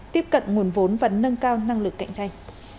tiếp cận nguồn vốn và nâng cao năng lực cạnh tranh